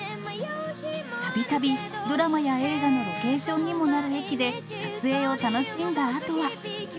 たびたびドラマや映画のロケーションにもなる駅で、撮影を楽しんだあとは。